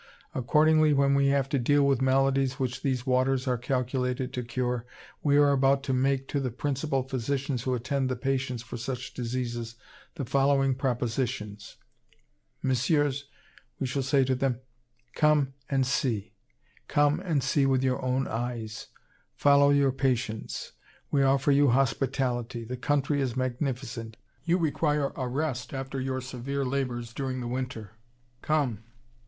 Accordingly, when we have to deal with maladies which these waters are calculated to cure, we are about to make to the principal physicians who attend patients for such diseases the following proposition: 'Messieurs,' we shall say to them, 'come and see, come and see with your own eyes; follow your patients; we offer you hospitality. The country is magnificent; you require a rest after your severe labors during the winter come!